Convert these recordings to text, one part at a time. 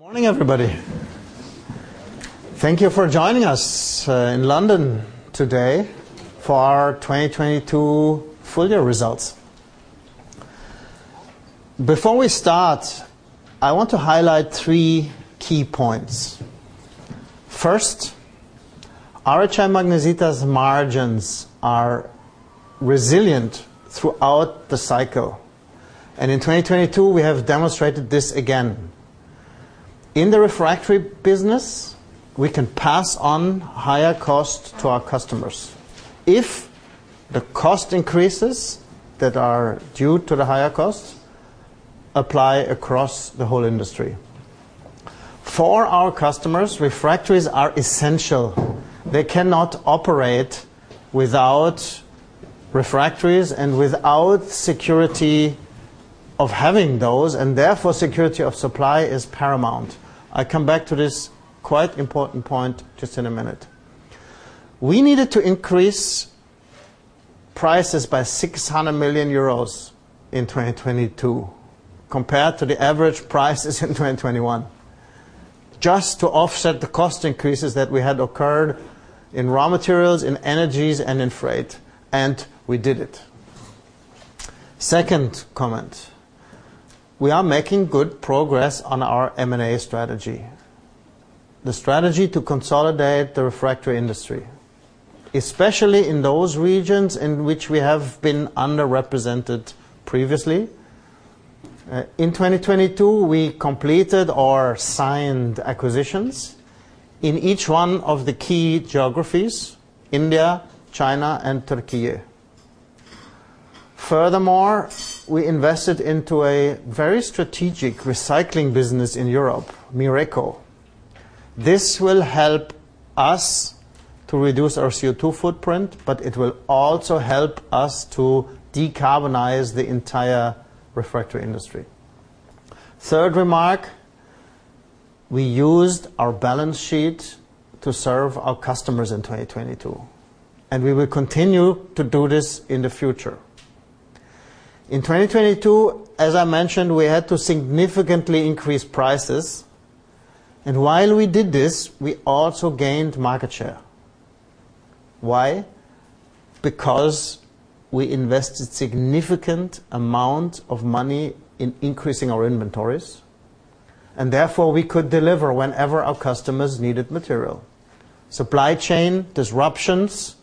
Good morning, everybody. Thank you for joining us in London today for our 2022 full year results. Before we start, I want to highlight 3 key points. First, RHI Magnesita's margins are resilient throughout the cycle, and in 2022, we have demonstrated this again. In the refractory business, we can pass on higher costs to our customers if the cost increases that are due to the higher costs apply across the whole industry. For our customers, refractories are essential. They cannot operate without refractories and without security of having those, and therefore, security of supply is paramount. I come back to this quite important point just in a minute. We needed to increase prices by 600 million euros in 2022 compared to the average prices in 2021 just to offset the cost increases that we had occurred in raw materials, in energies, and in freight. We did it. Second comment, we are making good progress on our M&A strategy. The strategy to consolidate the refractory industry, especially in those regions in which we have been underrepresented previously. In 2022, we completed our signed acquisitions in each one of the key geographies, India, China, and Turkey. Furthermore, we invested into a very strategic recycling business in Europe, Mireco. This will help us to reduce our CO₂ footprint, but it will also help us to decarbonize the entire refractory industry. Third remark, we used our balance sheet to serve our customers in 2022. We will continue to do this in the future. In 2022, as I mentioned, we had to significantly increase prices, and while we did this, we also gained market share. Why? Because we invested significant amount of money in increasing our inventories, and therefore, we could deliver whenever our customers needed material. Supply chain disruptions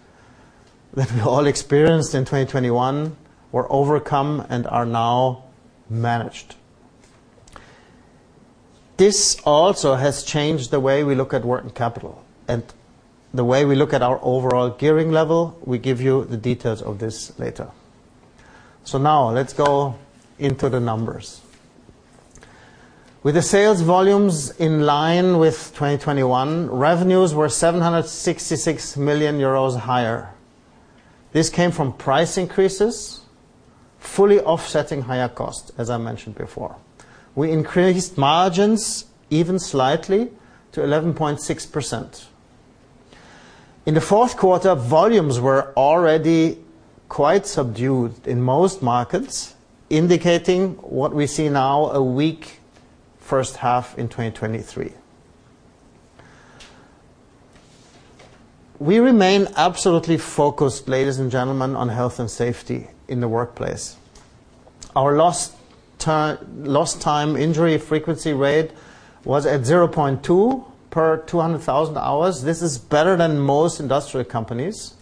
that we all experienced in 2021 were overcome and are now managed. This also has changed the way we look at working capital and the way we look at our overall gearing level. We give you the details of this later. Now let's go into the numbers. With the sales volumes in line with 2021, revenues were 766 million euros higher. This came from price increases, fully offsetting higher costs, as I mentioned before. We increased margins even slightly to 11.6%. In the fourth quarter, volumes were already quite subdued in most markets, indicating what we see now, a weak first half in 2023. We remain absolutely focused, ladies and gentlemen, on health and safety in the workplace. Our Lost Time Injury Frequency Rate was at 0.2 per 200,000 hours. This is better than most industrial companies,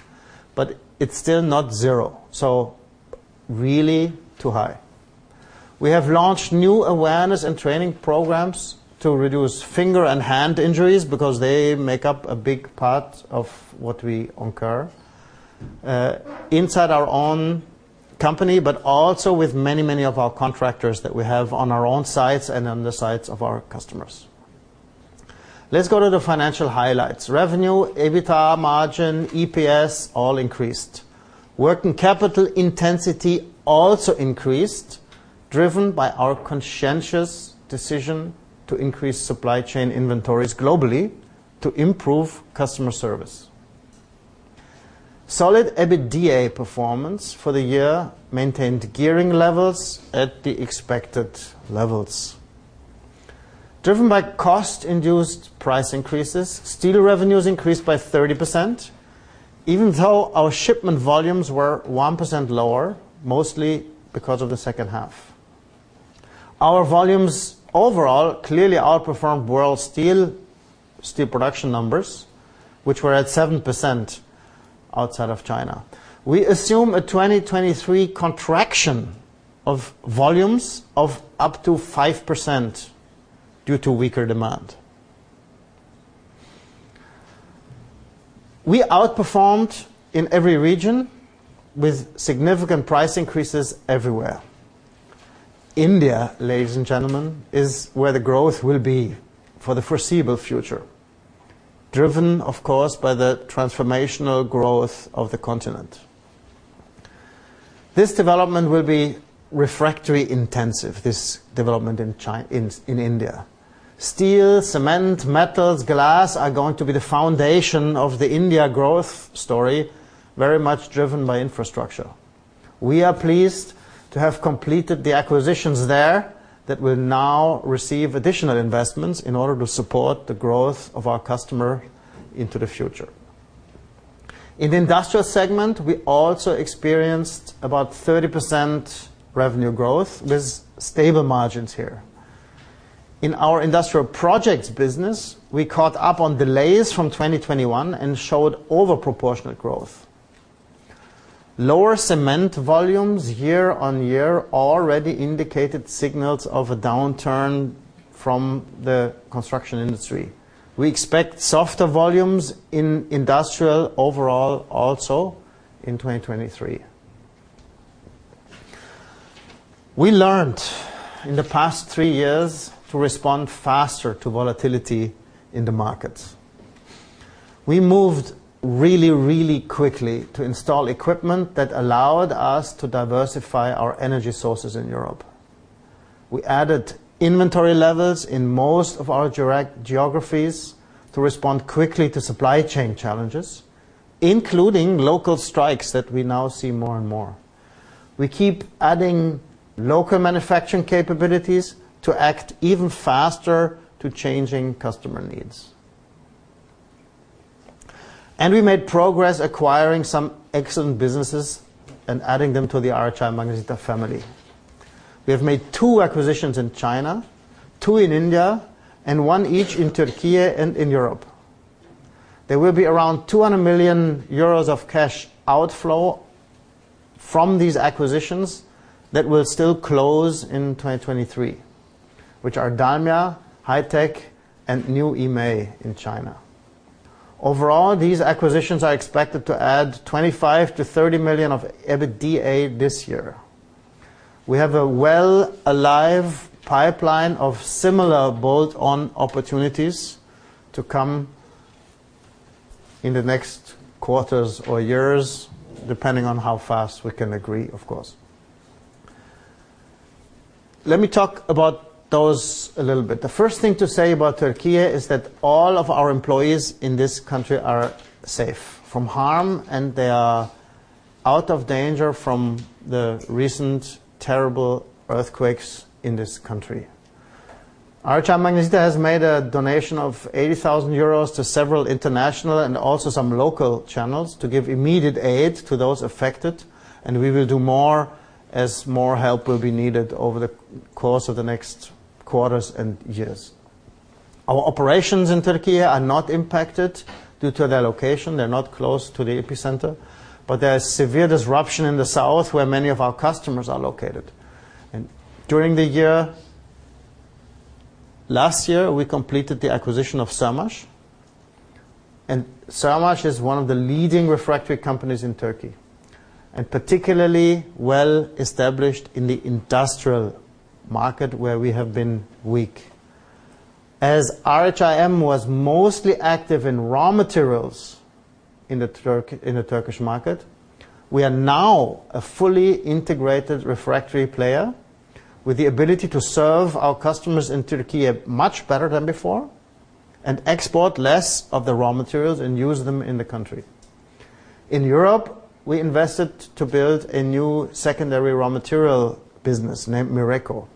but it's still not zero, so really too high. We have launched new awareness and training programs to reduce finger and hand injuries because they make up a big part of what we incur inside our own company, but also with many of our contractors that we have on our own sites and on the sites of our customers. Let's go to the financial highlights. Revenue, EBITA margin, EPS all increased. Working capital intensity also increased, driven by our conscientious decision to increase supply chain inventories globally to improve customer service. Solid EBITDA performance for the year maintained gearing levels at the expected levels. Driven by cost-induced price increases, steel revenues increased by 30%, even though our shipment volumes were 1% lower, mostly because of the second half. Our volumes overall clearly outperformed world steel production numbers, which were at 7% outside of China. We assume a 2023 contraction of volumes of up to 5% due to weaker demand. We outperformed in every region with significant price increases everywhere. India, ladies and gentlemen, is where the growth will be for the foreseeable future, driven, of course, by the transformational growth of the continent. This development will be refractory intensive, this development in India. Steel, cement, metals, glass are going to be the foundation of the India growth story, very much driven by infrastructure. We are pleased to have completed the acquisitions there that will now receive additional investments in order to support the growth of our customer into the future. In the industrial segment, we also experienced about 30% revenue growth with stable margins here. In our industrial projects business, we caught up on delays from 2021 and showed over-proportional growth. Lower cement volumes year-on-year already indicated signals of a downturn from the construction industry. We expect softer volumes in industrial overall also in 2023. We learned in the past three years to respond faster to volatility in the markets. We moved really quickly to install equipment that allowed us to diversify our energy sources in Europe. We added inventory levels in most of our direct geographies to respond quickly to supply chain challenges, including local strikes that we now see more and more. We keep adding local manufacturing capabilities to act even faster to changing customer needs. We made progress acquiring some excellent businesses and adding them to the RHI Magnesita family. We have made two acquisitions in China, two in India, and one each in Türkiye and in Europe. There will be around 200 million euros of cash outflow from these acquisitions that will still close in 2023, which are Dalmia, Hi-Tech, and New Yimei in China. Overall, these acquisitions are expected to add 25-30 million of EBITDA this year. We have a well alive pipeline of similar bolt-on opportunities to come in the next quarters or years, depending on how fast we can agree, of course. Let me talk about those a little bit. The first thing to say about Türkiye is that all of our employees in this country are safe from harm, and they are out of danger from the recent terrible earthquakes in this country. RHI Magnesita has made a donation of 80,000 euros to several international and also some local channels to give immediate aid to those affected, and we will do more as more help will be needed over the course of the next quarters and years. Our operations in Türkiye are not impacted due to their location. They're not close to the epicenter, but there is severe disruption in the south where many of our customers are located. During the year, last year, we completed the acquisition of SÖRMAŞ. SÖRMAŞ is one of the leading refractory companies in Türkiye, and particularly well established in the industrial market where we have been weak. As RHI M was mostly active in raw materials in the Turkish market, we are now a fully integrated refractory player with the ability to serve our customers in Türkiye much better than before and export less of the raw materials and use them in the country. In Europe, we invested to build a new secondary raw material business named Mireco.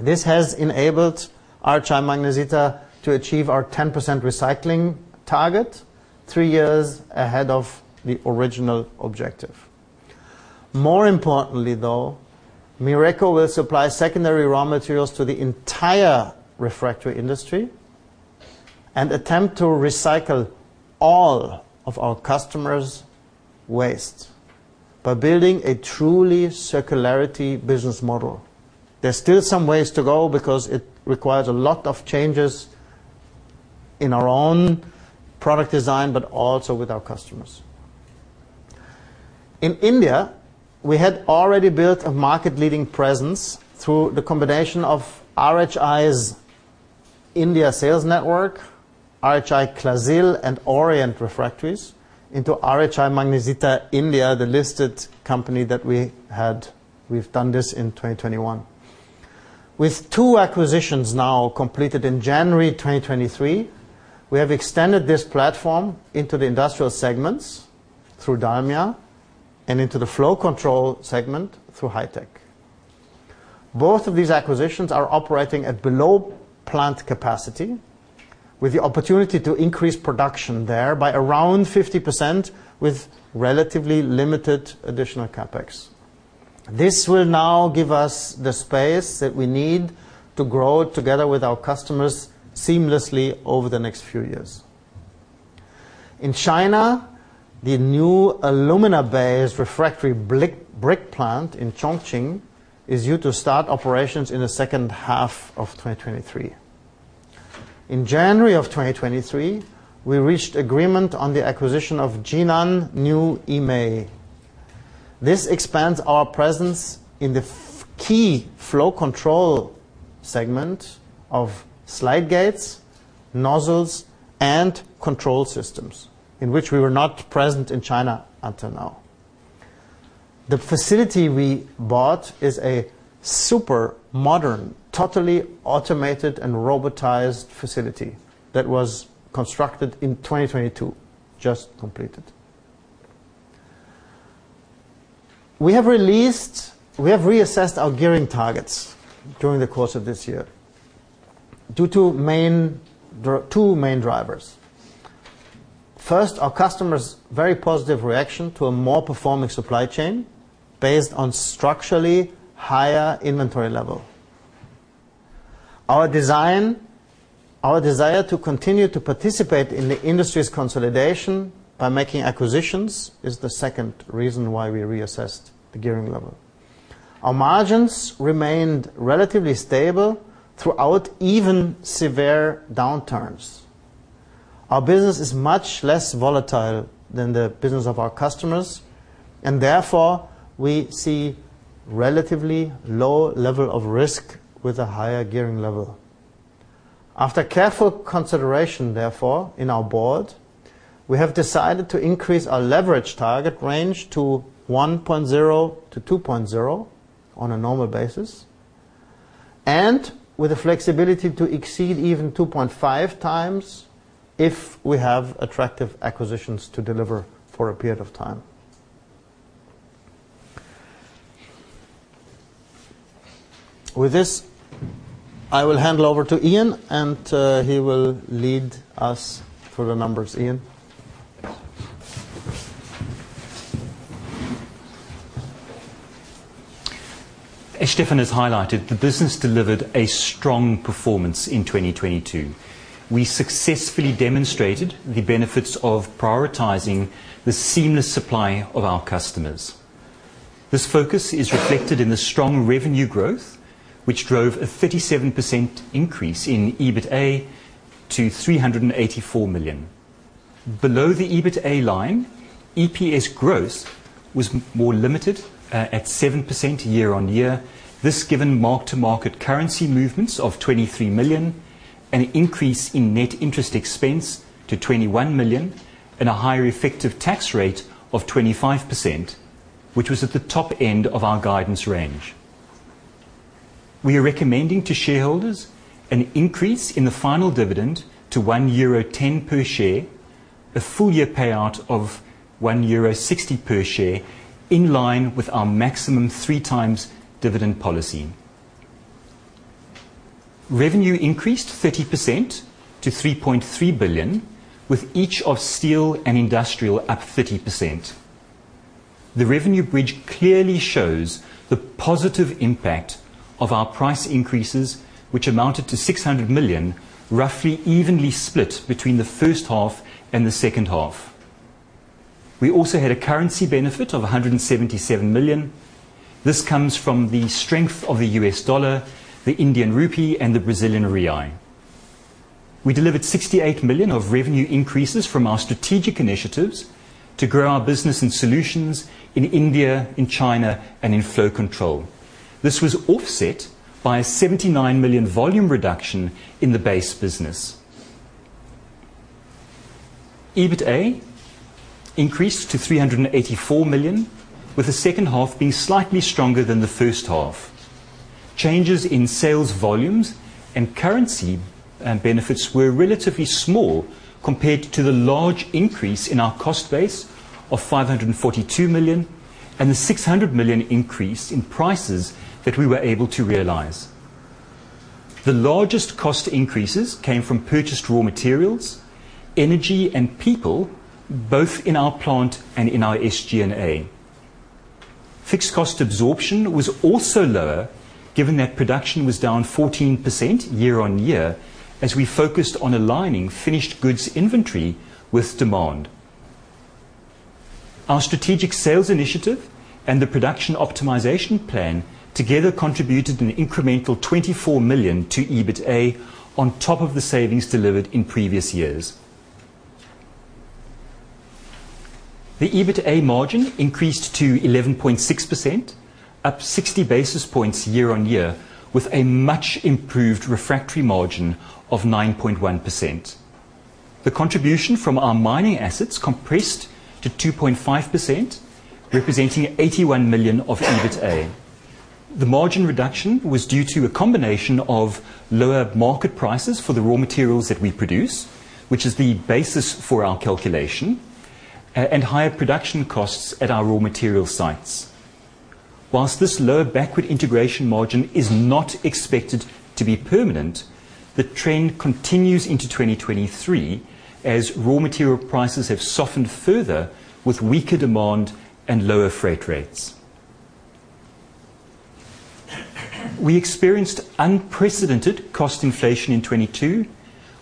This has enabled RHI Magnesita to achieve our 10% recycling target three years ahead of the original objective. More importantly, though, Mireco will supply secondary raw materials to the entire refractory industry and attempt to recycle all of our customers' waste by building a truly circularity business model. There's still some ways to go because it requires a lot of changes in our own product design, but also with our customers. In India, we had already built a market-leading presence through the combination of RHI's India sales network, RHI Clasil, and Orient Refractories into RHI Magnesita India, the listed company that we had. We've done this in 2021. With two acquisitions now completed in January 2023, we have extended this platform into the industrial segments through Dalmia and into the flow control segment through Hi-Tech. Both of these acquisitions are operating at below plant capacity with the opportunity to increase production there by around 50% with relatively limited additional CapEx. This will now give us the space that we need to grow together with our customers seamlessly over the next few years. In China, the new alumina-based refractory brick plant in Chongqing is due to start operations in the second half of 2023. In January of 2023, we reached agreement on the acquisition of Jinan New Yimei. This expands our presence in the key flow control segment of slide gates, nozzles, and control systems, in which we were not present in China until now. The facility we bought is a super modern, totally automated and robotized facility. That was constructed in 2022. Just completed. We have reassessed our gearing targets during the course of this year due to two main drivers. First, our customers' very positive reaction to a more performing supply chain based on structurally higher inventory level. Our design. Our desire to continue to participate in the industry's consolidation by making acquisitions is the second reason why we reassessed the gearing level. Our margins remained relatively stable throughout even severe downturns. Our business is much less volatile than the business of our customers, and therefore we see relatively low level of risk with a higher gearing level. After careful consideration, therefore, in our board, we have decided to increase our leverage target range to 1.0-2.0 on a normal basis, and with the flexibility to exceed even 2.5x if we have attractive acquisitions to deliver for a period of time. With this, I will hand over to Ian, and he will lead us through the numbers. Ian? As Stefan has highlighted, the business delivered a strong performance in 2022. We successfully demonstrated the benefits of prioritizing the seamless supply of our customers. This focus is reflected in the strong revenue growth, which drove a 37% increase in EBITA to 384 million. Below the EBITA line, EPS growth was more limited at 7% year-on-year. This given mark-to-market currency movements of 23 million, an increase in net interest expense to 21 million, and a higher effective tax rate of 25%, which was at the top end of our guidance range. We are recommending to shareholders an increase in the final dividend to 1.10 euro per share, a full year payout of 1.60 euro per share, in line with our maximum 3 times dividend policy. Revenue increased 30% to 3.3 billion, with each of steel and industrial up 30%. The revenue bridge clearly shows the positive impact of our price increases, which amounted to 600 million, roughly evenly split between the first half and the second half. We also had a currency benefit of 177 million. This comes from the strength of the US dollar, the Indian rupee, and the Brazilian real. We delivered 68 million of revenue increases from our strategic initiatives to grow our business in solutions in India, in China, and in flow control. This was offset by a 79 million volume reduction in the base business. EBITA increased to 384 million, with the second half being slightly stronger than the first half. Changes in sales volumes and currency benefits were relatively small compared to the large increase in our cost base of 542 million and the 600 million increase in prices that we were able to realize. The largest cost increases came from purchased raw materials, energy, and people, both in our plant and in our SG&A. Fixed cost absorption was also lower given that production was down 14% year-on-year as we focused on aligning finished goods inventory with demand. Our strategic sales initiative and the production optimization plan together contributed an incremental 24 million to EBITA on top of the savings delivered in previous years. The EBITA margin increased to 11.6%, up 60 basis points year-on-year, with a much improved refractory margin of 9.1%. The contribution from our mining assets compressed to 2.5%, representing 81 million of EBITA. The margin reduction was due to a combination of lower market prices for the raw materials that we produce, which is the basis for our calculation, and higher production costs at our raw material sites. This lower backward integration margin is not expected to be permanent, the trend continues into 2023 as raw material prices have softened further with weaker demand and lower freight rates. We experienced unprecedented cost inflation in 2022,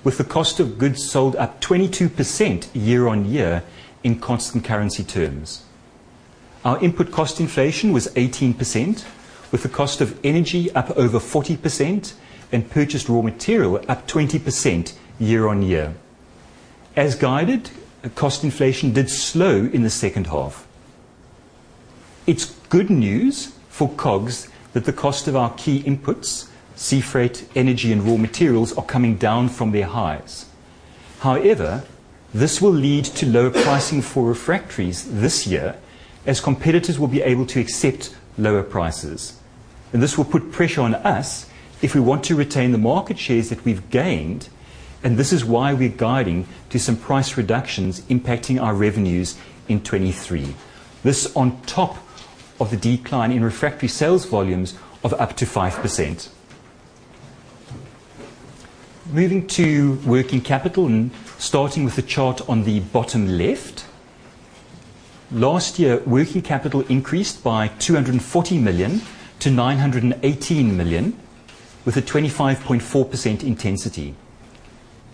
with the cost of goods sold up 22% year-on-year in constant currency terms. Our input cost inflation was 18%, with the cost of energy up over 40% and purchased raw material up 20% year-on-year. As guided, cost inflation did slow in the second half. It's good news for COGS that the cost of our key inputs, sea freight, energy, and raw materials, are coming down from their highs. However, this will lead to lower pricing for refractories this year as competitors will be able to accept lower prices. This will put pressure on us if we want to retain the market shares that we've gained, and this is why we're guiding to some price reductions impacting our revenues in 2023. This on top of the decline in refractory sales volumes of up to 5%. Moving to working capital and starting with the chart on the bottom left. Last year, working capital increased by 240 million to 918 million with a 25.4% intensity.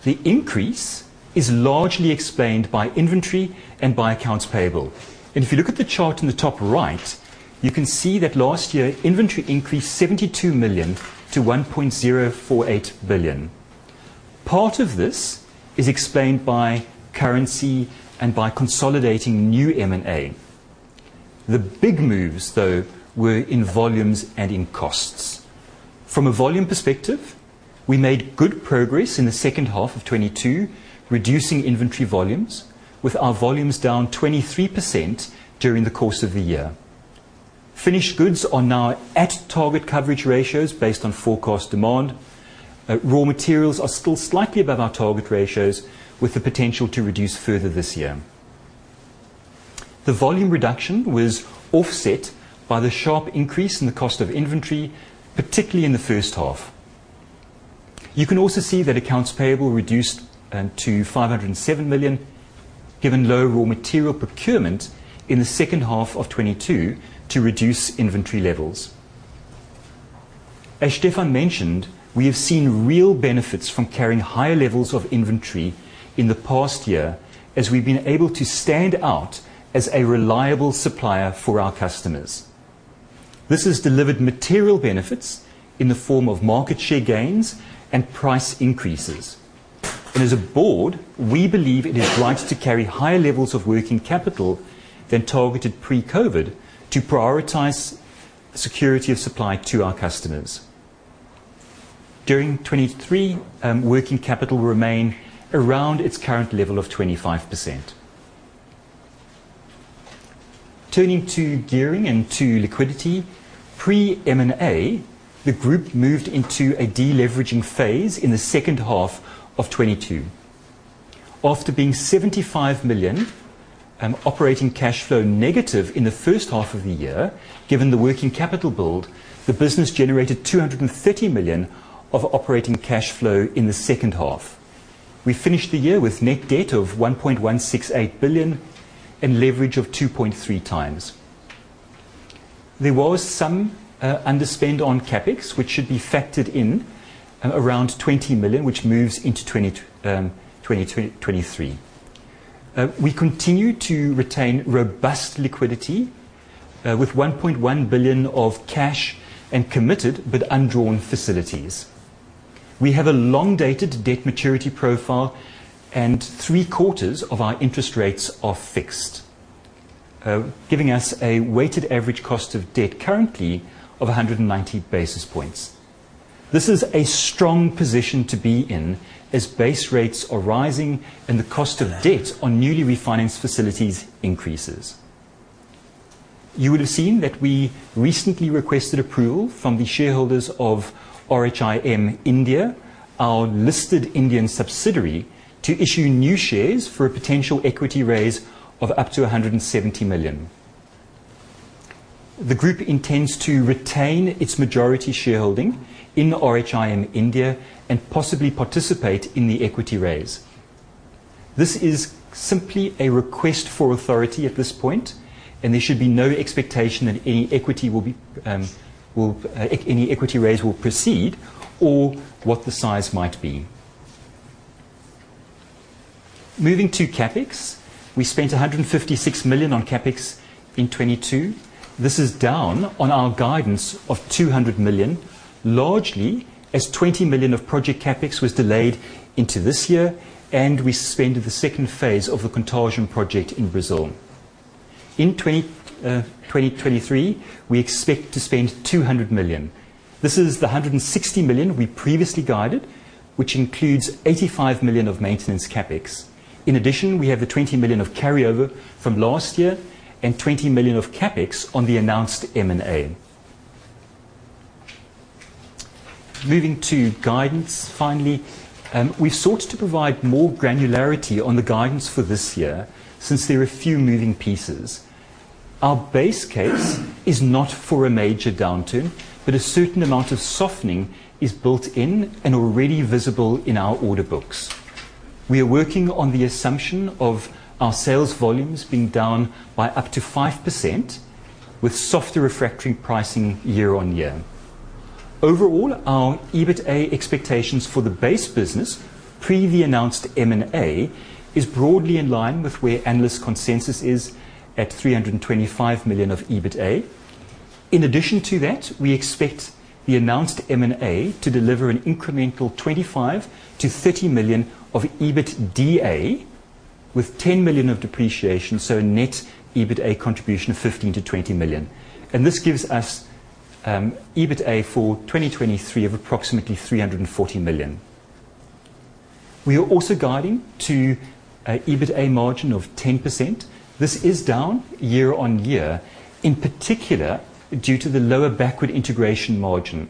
The increase is largely explained by inventory and by accounts payable. If you look at the chart in the top right, you can see that last year inventory increased 72 million to 1.048 billion. Part of this is explained by currency and by consolidating new M&A. The big moves though were in volumes and in costs. From a volume perspective, we made good progress in the second half of 2022, reducing inventory volumes with our volumes down 23% during the course of the year. Finished goods are now at target coverage ratios based on forecast demand. Raw materials are still slightly above our target ratios with the potential to reduce further this year. The volume reduction was offset by the sharp increase in the cost of inventory, particularly in the first half. You can also see that accounts payable reduced to 507 million, given low raw material procurement in the second half of 2022 to reduce inventory levels. As Stefan mentioned, we have seen real benefits from carrying higher levels of inventory in the past year as we've been able to stand out as a reliable supplier for our customers. As a board, we believe it is right to carry higher levels of working capital than targeted pre-COVID to prioritize security of supply to our customers. During 2023, working capital will remain around its current level of 25%. Turning to gearing and to liquidity. Pre-M&A, the group moved into a deleveraging phase in the second half of 2022. After being 75 million operating cash flow negative in the first half of the year, given the working capital build, the business generated 230 million of operating cash flow in the second half. We finished the year with net debt of 1.168 billion and leverage of 2.3 times. There was some underspend on CapEx which should be factored in around 20 million, which moves into 2023. We continue to retain robust liquidity with 1.1 billion of cash and committed but undrawn facilities. We have a long dated debt maturity profile and three-quarters of our interest rates are fixed, giving us a weighted average cost of debt currently of 190 basis points. This is a strong position to be in as base rates are rising and the cost of debt on newly refinanced facilities increases. You would have seen that we recently requested approval from the shareholders of RHIM India, our listed Indian subsidiary, to issue new shares for a potential equity raise of up to 170 million. The group intends to retain its majority shareholding in RHIM India and possibly participate in the equity raise. This is simply a request for authority at this point, and there should be no expectation that any equity raise will proceed or what the size might be. Moving to CapEx. We spent 156 million on CapEx in 2022. This is down on our guidance of 200 million, largely as 20 million of project CapEx was delayed into this year, and we suspended the second phase of the Contagem project in Brazil. In 2023, we expect to spend 200 million. This is the 160 million we previously guided, which includes 85 million of maintenance CapEx. In addition, we have the 20 million of carryover from last year and 20 million of CapEx on the announced M&A. Moving to guidance, finally. We've sought to provide more granularity on the guidance for this year since there are a few moving pieces. Our base case is not for a major downturn, but a certain amount of softening is built in and already visible in our order books. We are working on the assumption of our sales volumes being down by up to 5% with softer refractory pricing year-over-year. Overall, our EBITA expectations for the base business, pre the announced M&A, is broadly in line with where analyst consensus is at 325 million of EBITA. In addition to that, we expect the announced M&A to deliver an incremental 25 million-30 million of EBITDA with 10 million of depreciation, so net EBITA contribution of 15 million-20 million. This gives us EBITA for 2023 of approximately 340 million. We are also guiding to a EBITDA margin of 10%. This is down year-over-year, in particular, due to the lower backward integration margin.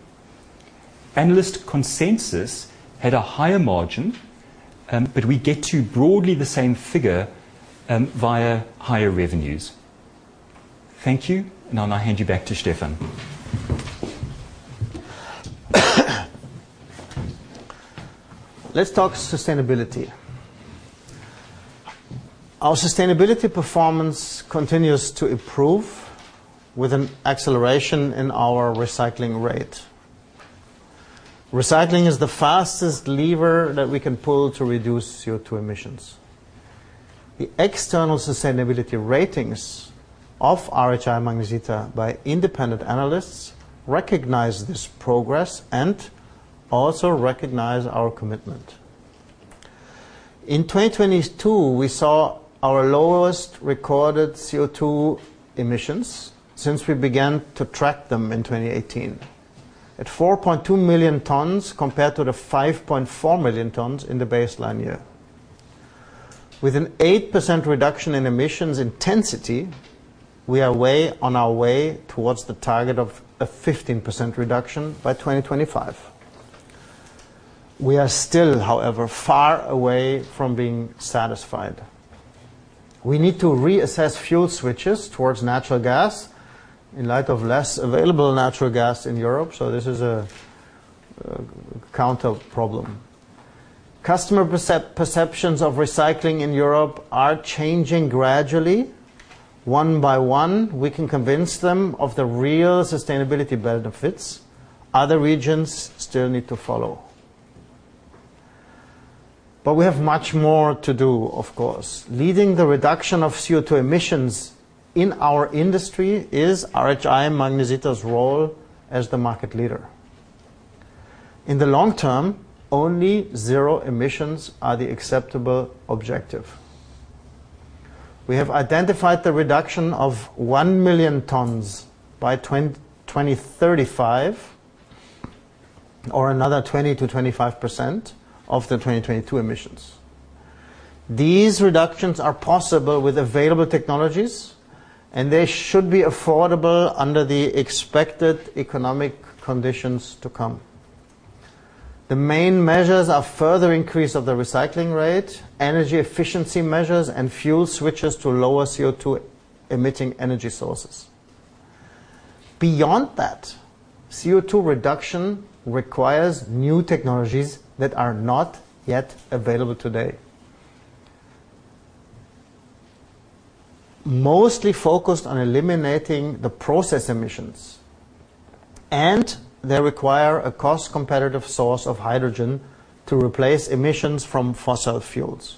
Analyst consensus had a higher margin, but we get to broadly the same figure via higher revenues. Thank you. Now, I hand you back to Stefan. Let's talk sustainability. Our sustainability performance continues to improve with an acceleration in our recycling rate. Recycling is the fastest lever that we can pull to reduce CO₂ emissions. The external sustainability ratings of RHI Magnesita by independent analysts recognize this progress and also recognize our commitment. In 2022, we saw our lowest recorded CO₂ emissions since we began to track them in 2018. At 4.2 million tons compared to the 5.4 million tons in the baseline year. With an 8% reduction in emissions intensity, we are way on our way towards the target of a 15% reduction by 2025. We are still, however, far away from being satisfied. We need to reassess fuel switches towards natural gas in light of less available natural gas in Europe, this is a counter problem. Customer perceptions of recycling in Europe are changing gradually. One by one, we can convince them of the real sustainability benefits. Other regions still need to follow. We have much more to do, of course. Leading the reduction of CO₂ emissions in our industry is RHI Magnesita's role as the market leader. In the long term, only zero emissions are the acceptable objective. We have identified the reduction of 1 million tons by 2035, or another 20%-25% of the 2022 emissions. These reductions are possible with available technologies, and they should be affordable under the expected economic conditions to come. The main measures are further increase of the recycling rate, energy efficiency measures, and fuel switches to lower CO₂ emitting energy sources. Beyond that, CO₂ reduction requires new technologies that are not yet available today. Mostly focused on eliminating the process emissions. They require a cost-competitive source of hydrogen to replace emissions from fossil fuels.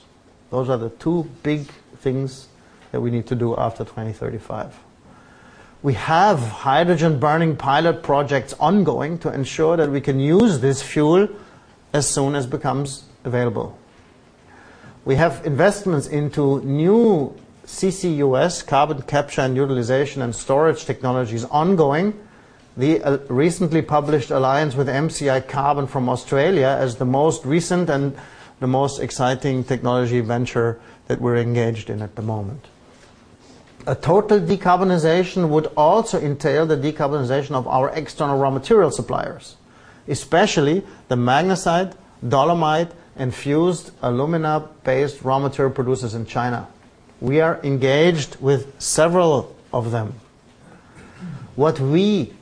Those are the two big things that we need to do after 2035. We have hydrogen-burning pilot projects ongoing to ensure that we can use this fuel as soon as becomes available. We have investments into new CCUS, Carbon Capture, Utilization, and Storage technologies ongoing. The recently published alliance with MCi Carbon from Australia as the most recent and the most exciting technology venture that we're engaged in at the moment. A total decarbonization would also entail the decarbonization of our external raw material suppliers, especially the magnesite, dolomite, and fused alumina-based raw material producers in China. We are engaged with several of them. What we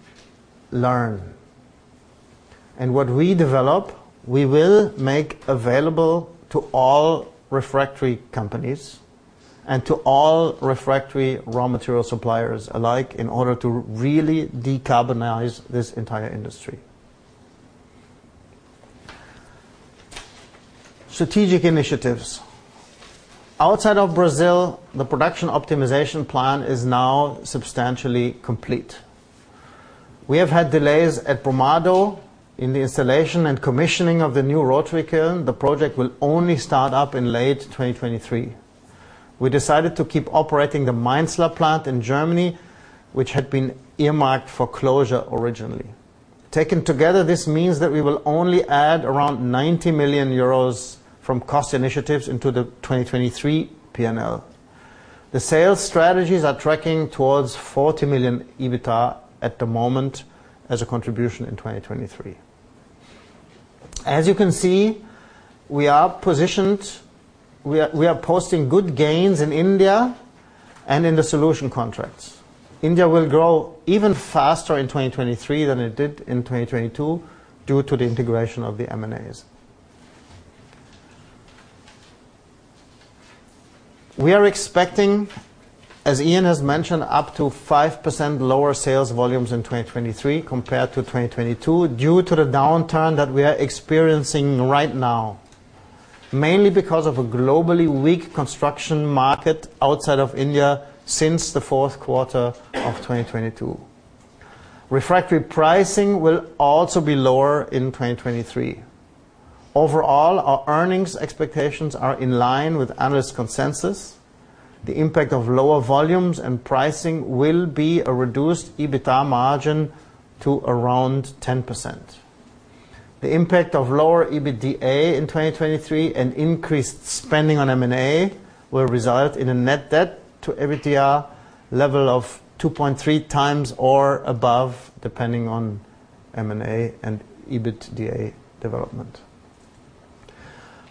learn and what we develop, we will make available to all refractory companies and to all refractory raw material suppliers alike in order to really decarbonize this entire industry. Strategic initiatives. Outside of Brazil, the production optimization plan is now substantially complete. We have had delays at Brumado in the installation and commissioning of the new rotary kiln. The project will only start up in late 2023. We decided to keep operating the Mainzlar plant in Germany, which had been earmarked for closure originally. Taken together, this means that we will only add around 90 million euros from cost initiatives into the 2023 P&L. The sales strategies are tracking towards 40 million EBITDA at the moment as a contribution in 2023. As you can see, we are positioned, we are posting good gains in India and in the solution contracts. India will grow even faster in 2023 than it did in 2022 due to the integration of the M&As. We are expecting, as Ian has mentioned, up to 5% lower sales volumes in 2023 compared to 2022 due to the downturn that we are experiencing right now, mainly because of a globally weak construction market outside of India since the fourth quarter of 2022. Refractory pricing will also be lower in 2023. Our earnings expectations are in line with analyst consensus. The impact of lower volumes and pricing will be a reduced EBITA margin to around 10%. The impact of lower EBITDA in 2023 and increased spending on M&A will result in a net debt to EBITDA level of 2.3x or above, depending on M&A and EBITDA development.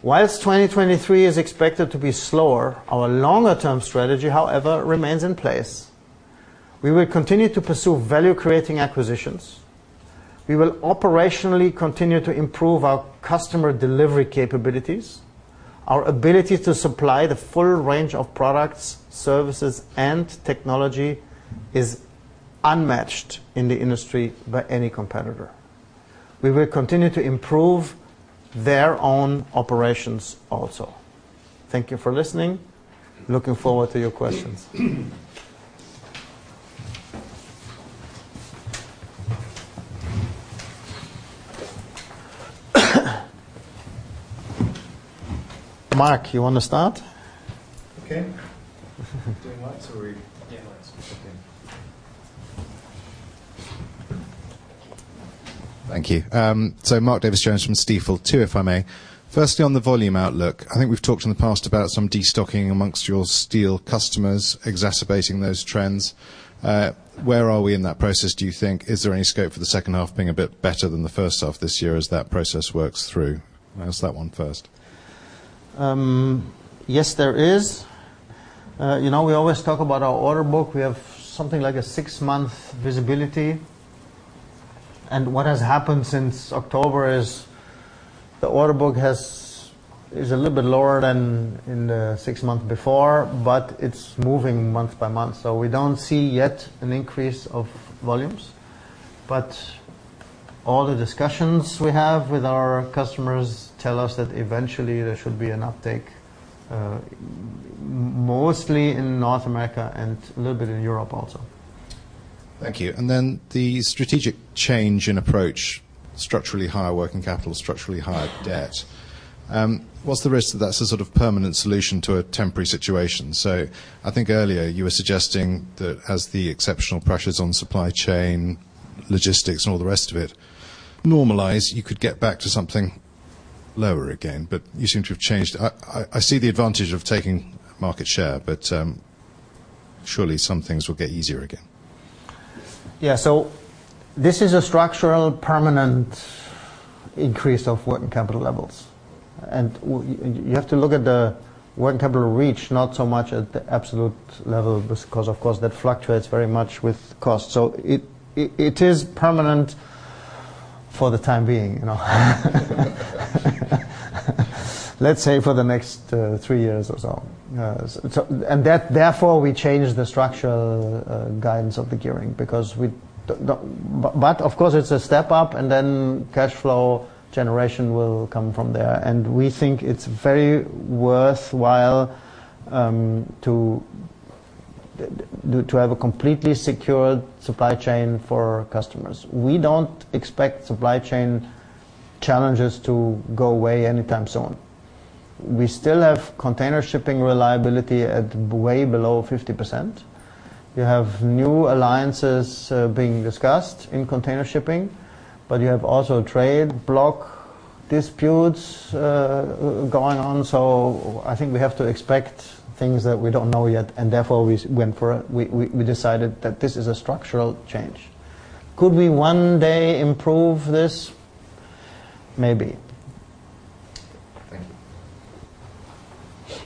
Whilst 2023 is expected to be slower, our longer term strategy, however, remains in place. We will continue to pursue value-creating acquisitions. We will operationally continue to improve our customer delivery capabilities. Our ability to supply the full range of products, services, and technology is unmatched in the industry by any competitor. We will continue to improve their own operations also. Thank you for listening. Looking forward to your questions. Mark, you want to start? Okay. Doing lights or are? Yeah, lights. Okay. Thank you. Mark Davies-Jones from Stifel. 2, if I may. Firstly, on the volume outlook, I think we've talked in the past about some destocking amongst your steel customers exacerbating those trends. Where are we in that process, do you think? Is there any scope for the second half being a bit better than the first half this year as that process works through? I'll ask that one first. Yes, there is. We always talk about our order book. We have something like a 6-month visibility. What has happened since October is the order book is a little bit lower than in the 6 months before, but it's moving month by month. We don't see yet an increase of volumes. All the discussions we have with our customers tell us that eventually there should be an uptake, mostly in North America and a little bit in Europe also. Thank you. The strategic change in approach, structurally higher working capital, structurally higher debt. What's the risk that that's a sort of permanent solution to a temporary situation? I think earlier you were suggesting that as the exceptional pressures on supply chain, logistics, and all the rest of it normalize, you could get back to something lower again, but you seem to have changed. I see the advantage of taking market share, but, surely some things will get easier again. Yeah. This is a structural permanent increase of working capital levels. You have to look at the working capital reach, not so much at the absolute level, because of course, that fluctuates very much with cost. It is permanent for the time being. Let's say for the next three years or so. Therefore, we change the structural guidance of the gearing because of course, it's a step up, and cash flow generation will come from there. We think it's very worthwhile to have a completely secure supply chain for our customers. We don't expect supply chain challenges to go away anytime soon. We still have container shipping reliability at way below 50%. You have new alliances, being discussed in container shipping, but you have also trade block disputes, going on. I think we have to expect things that we don't know yet. Therefore, we went for a we decided that this is a structural change. Could we one day improve this? Maybe. Thank you.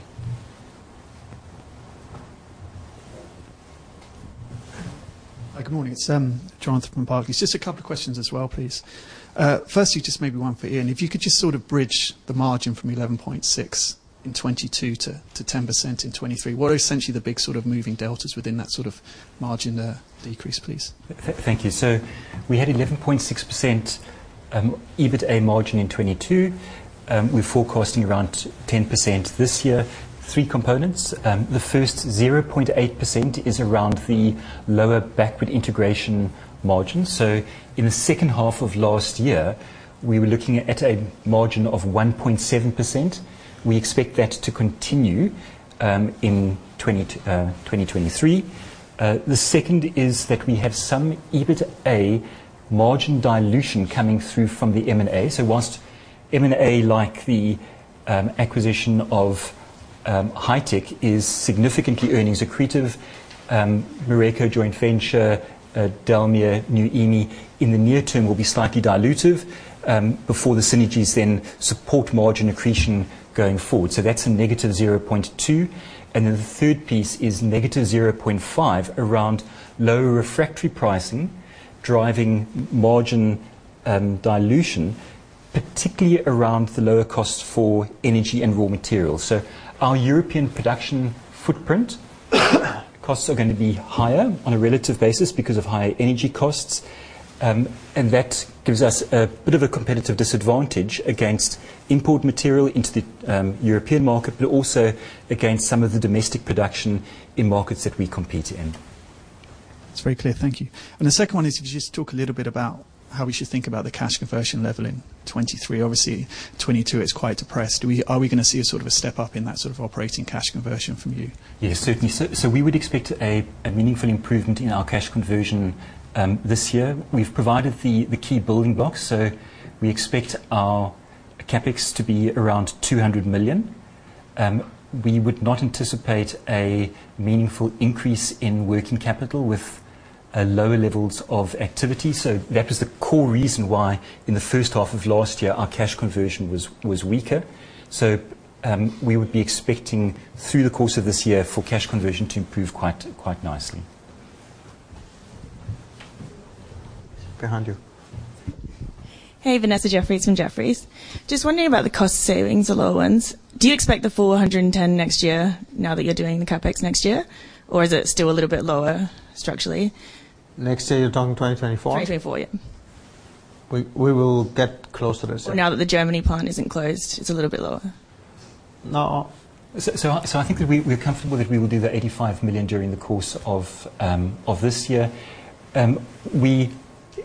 Hi. Good morning. It's Jonathan from Barclays. Just a couple of questions as well, please. Firstly, just maybe one for Ian. If you could just sort of bridge the margin from 11.6% in 2022 to 10% in 2023. What are essentially the big sort of moving deltas within that sort of margin decrease, please? Thank you. We had 11.6% EBITA margin in 2022. We're forecasting around 10% this year. Three components. The first 0.8% is around the lower backward integration margin. In the second half of last year, we were looking at a margin of 1.7%. We expect that to continue in 2023. The second is that we have some EBITA margin dilution coming through from the M&A. Whilst M&A, like the acquisition of Hi-Tech Chemicals, is significantly earnings accretive, Mireco joint venture, Dalmia, Jinan New Yimei, in the near term, will be slightly dilutive before the synergies then support margin accretion going forward. That's a negative 0.2%. The third piece is -0.5 around lower refractory pricing, driving margin dilution, particularly around the lower costs for energy and raw materials. Our European production footprint, costs are gonna be higher on a relative basis because of higher energy costs. That gives us a bit of a competitive disadvantage against import material into the European market, but also against some of the domestic production in markets that we compete in. It's very clear. Thank you. The second one is, could you just talk a little bit about how we should think about the cash conversion level in 2023. Obviously, 2022 is quite depressed. Are we gonna see a sort of a step up in that sort of operating cash conversion from you? Yes, certainly so. We would expect a meaningful improvement in our cash conversion this year. We've provided the key building blocks, so we expect our CapEx to be around 200 million. We would not anticipate a meaningful increase in working capital with lower levels of activity, so that was the core reason why in the first half of last year, our cash conversion was weaker. We would be expecting through the course of this year for cash conversion to improve quite nicely. Behind you. Hey, Vanessa Beroud from Jefferies. Just wondering about the cost savings, the lower ones. Do you expect the full 110 next year now that you're doing the CapEx next year? Or is it still a little bit lower structurally? Next year, you're talking 2024? 2024, yeah. We will get close to this. Now that the Germany plant isn't closed, it's a little bit lower. No. I think that we're comfortable that we will do the 85 million during the course of this year. We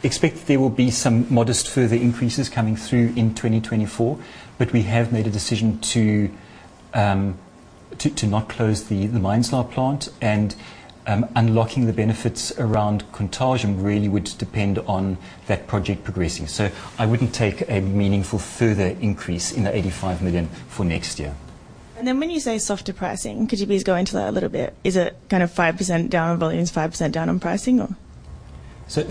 expect there will be some modest further increases coming through in 2024, but we have made a decision to not close the Mainzlar plant, and unlocking the benefits around contagion really would depend on that project progressing. I wouldn't take a meaningful further increase in the 85 million for next year. When you say softer pricing, could you please go into that a little bit? Is it kind of 5% down on volumes, 5% down on pricing, or?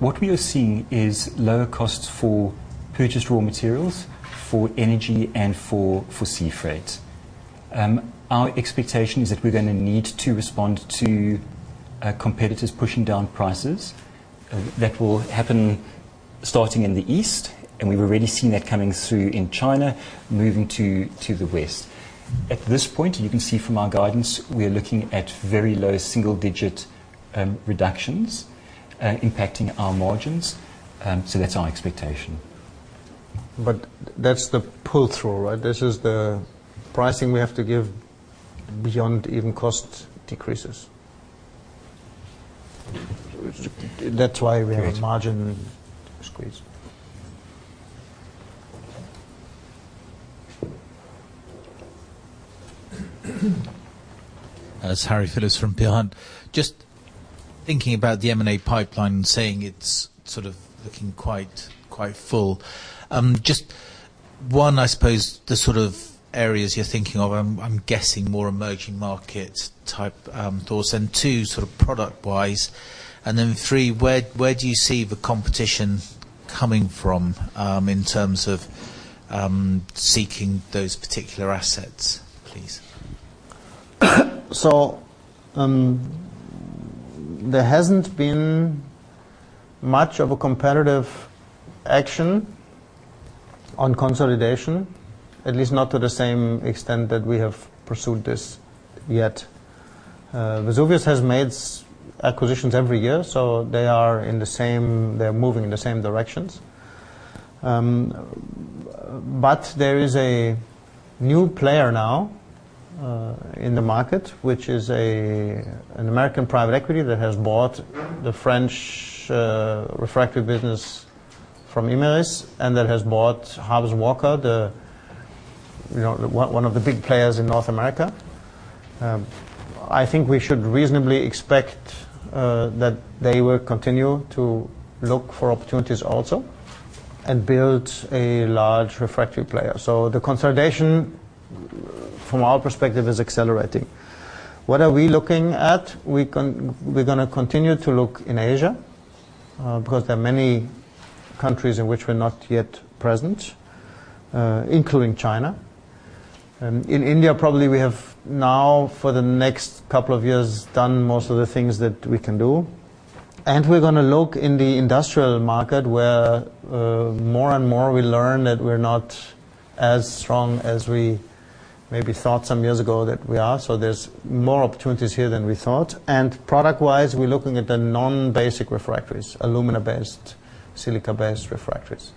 What we are seeing is lower costs for purchased raw materials, for energy, and for sea freight. Our expectation is that we're gonna need to respond to competitors pushing down prices. That will happen starting in the East, and we're already seeing that coming through in China, moving to the West. At this point, you can see from our guidance, we're looking at very low single digit reductions, impacting our margins. That's our expectation. That's the pull-through, right? This is the pricing we have to give beyond even cost decreases. Right. That's why we have a margin squeeze. It's Harry Philips from Berenberg. Just thinking about the M&A pipeline and saying it's looking quite full. Just 1, I suppose the areas you're thinking of, I'm guessing more emerging market type thoughts, and 2, product-wise. 3, where do you see the competition coming from, in terms of seeking those particular assets, please? There hasn't been much of a competitive action on consolidation, at least not to the same extent that we have pursued this yet. Vesuvius has made acquisitions every year, they're moving in the same directions. There is a new player now in the market, which is an American private equity that has bought the French refractory business from Imerys, and that has bought HarbisonWalker International one of the big players in North America. I think we should reasonably expect that they will continue to look for opportunities also and build a large refractory player. The consolidation from our perspective, is accelerating. What are we looking at? We're going to continue to look in Asia because there are many countries in which we're not yet present, including China. In India, probably we have now for the next couple of years done most of the things that we can do. We're going to look in the industrial market where more and more we learn that we're not as strong as we maybe thought some years ago that we are. There's more opportunities here than we thought. Product-wise, we're looking at the non-basic refractories, alumina-based, silica-based refractories.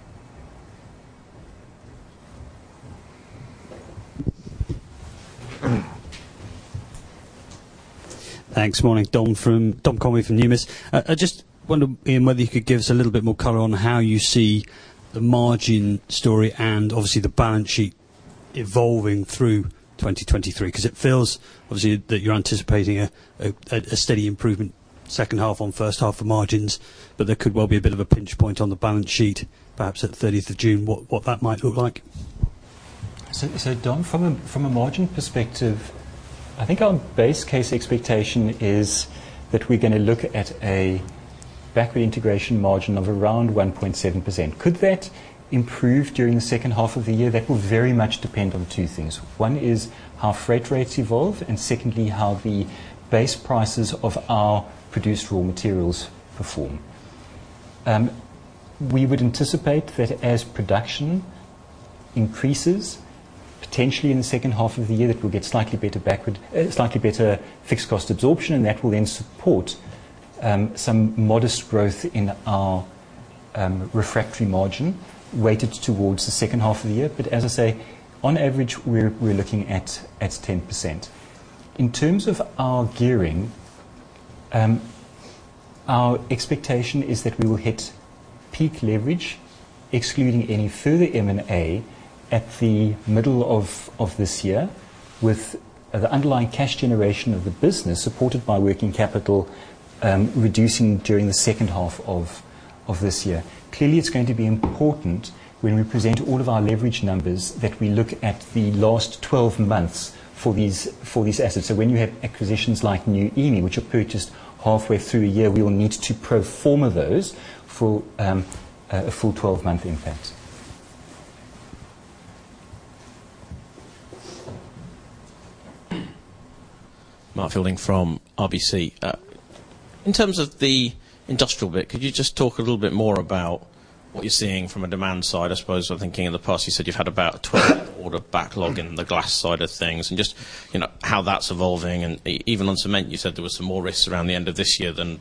Thanks. Morning. Dominic Convey from Numis. I just wonder, Ian, whether you could give us a little bit more color on how you see the margin story and obviously the balance sheet evolving through 2023. 'Cause it feels obviously that you're anticipating a steady improvement second half on first half for margins, but there could well be a bit of a pinch point on the balance sheet, perhaps at the 30th of June, what that might look like. Dom, from a margin perspective, I think our base case expectation is that we're gonna look at a backward integration margin of around 1.7%. Could that improve during the second half of the year? That will very much depend on two things. One is how freight rates evolve, and secondly, how the base prices of our produced raw materials perform. We would anticipate that as production increases, potentially in the second half of the year, that we'll get slightly better backward slightly better fixed cost absorption, and that will then support some modest growth in our refractory margin weighted towards the second half of the year. As I say, on average, we're looking at 10%. In terms of our gearing, our expectation is that we will hit peak leverage, excluding any further M&A at the middle of this year with the underlying cash generation of the business, supported by working capital, reducing during the second half of this year. Clearly, it's going to be important when we present all of our leverage numbers that we look at the last 12 months for these, for these assets. So when you have acquisitions like Jinan New Emei, which are purchased halfway through a year, we will need to pro forma those for a full 12-month impact. Mark Fielding from RBC. In terms of the industrial bit, could you just talk a little bit more about what you're seeing from a demand side? I suppose I'm thinking in the past, you said you've had about a 12-month order backlog in the glass side of things, and just how that's evolving. Even on cement, you said there was some more risks around the end of this year than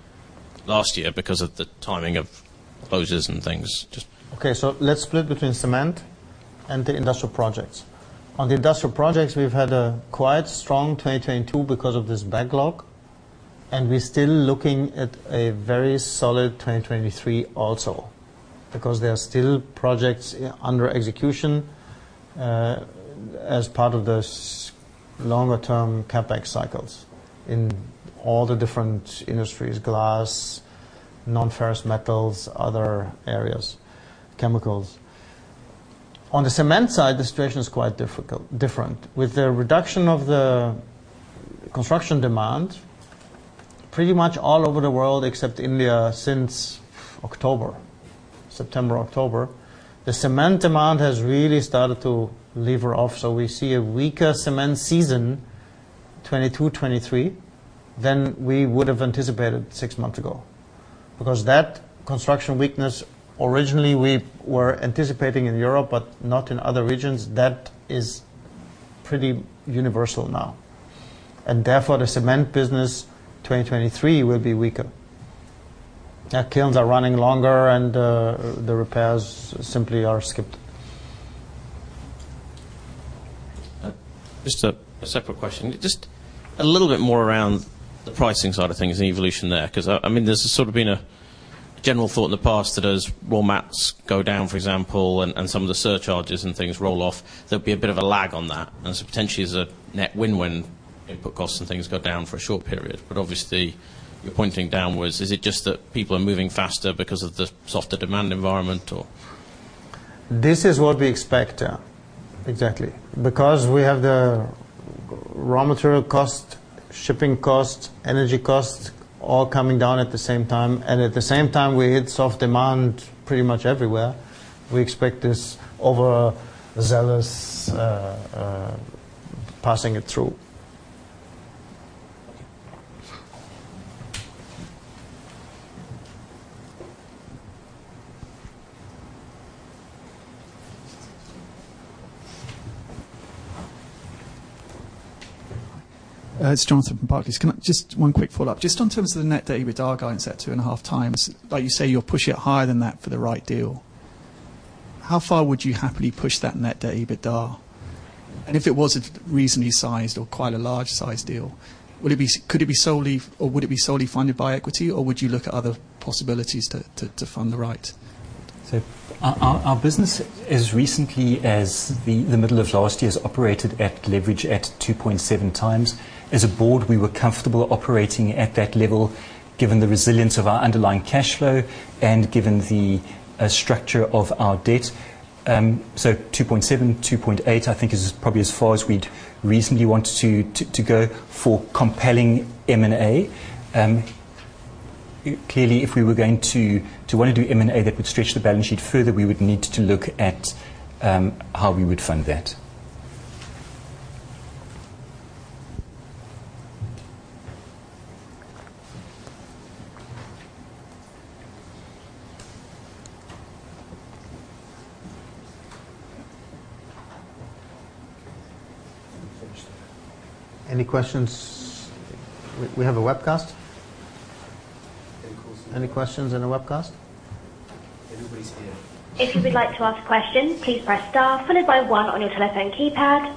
last year because of the timing of closures and things. Okay. Let's split between cement and the industrial projects. On the industrial projects, we've had a quite strong 2022 because of this backlog, and we're still looking at a very solid 2023 also because there are still projects under execution as part of this longer-term CapEx cycles in all the different industries, glass, non-ferrous metals, other areas, chemicals. On the cement side, the situation is quite different. With the reduction of the construction demand, pretty much all over the world except India since October, September, October, the cement demand has really started to lever off. We see a weaker cement season 2022, 2023 than we would have anticipated six months ago. That construction weakness, originally we were anticipating in Europe but not in other regions, that is pretty universal now. Therefore, the cement business, 2023, will be weaker. Our kilns are running longer and, the repairs simply are skipped. Just a separate question. Just a little bit more around the pricing side of things and evolution there 'cause, I mean, there's sort of been a general thought in the past that as raw mats go down, for example, and some of the surcharges and things roll off, there'll be a bit of a lag on that. So potentially as a net win-win input costs and things go down for a short period. Obviously, you're pointing downwards. Is it just that people are moving faster because of the softer demand environment or? This is what we expect. Yeah, exactly. We have the raw material costs, shipping costs, energy costs all coming down at the same time. At the same time, we hit soft demand pretty much everywhere. We expect this overzealous passing it through. Okay. It's Jonathan from Barclays. Just one quick follow-up. Just on terms of the net debt EBITDA guidance at 2.5 times, like you say, you'll push it higher than that for the right deal. How far would you happily push that net debt EBITDA? If it was a reasonably sized or quite a large size deal, could it be solely or would it be solely funded by equity, or would you look at other possibilities to fund the right? Our business, as recently as the middle of last year's operated at leverage at 2.7 times. As a board, we were comfortable operating at that level given the resilience of our underlying cash flow and given the structure of our debt. 2.7, 2.8, I think, is probably as far as we'd recently want to go for compelling M&A. Clearly, if we were going to wanna do M&A that would stretch the balance sheet further, we would need to look at how we would fund that. Any questions? We have a webcast. Any questions in the-? Any questions in the webcast? Everybody's here. If you would like to ask questions, please press Star followed by One on your telephone keypad.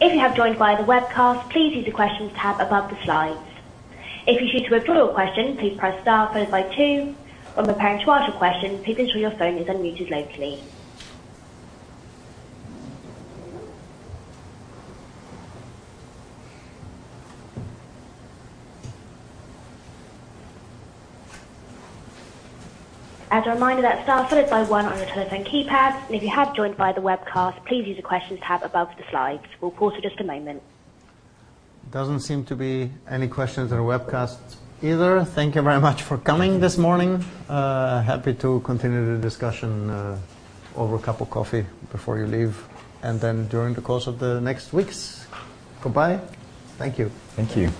If you have joined via the webcast, please use the Questions tab above the slides. If you choose to withdraw your question, please press Star followed by Two. When preparing to ask your question, please ensure your phone is unmuted locally. As a reminder, that's Star followed by One on your telephone keypad. If you have joined by the webcast, please use the Questions tab above the slides. We'll pause for just a moment. Doesn't seem to be any questions on our webcast either. Thank you very much for coming this morning. Happy to continue the discussion, over a cup of coffee before you leave and then during the course of the next weeks. Goodbye. Thank you. Thank you.